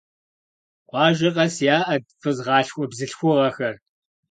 Къуажэ къэс яӏэт фызгъалъхуэ бзылъхугъэхэр.